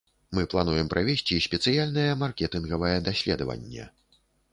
Мы плануем правесці спецыяльнае маркетынгавае даследаванне.